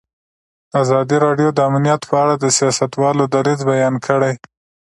ازادي راډیو د امنیت په اړه د سیاستوالو دریځ بیان کړی.